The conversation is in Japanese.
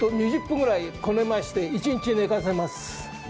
２０分ぐらいこねまして、一日寝かせます。